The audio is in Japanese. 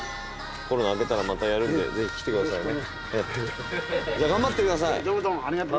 コロナ明けたらまたやるんでぜひ来てくださいね。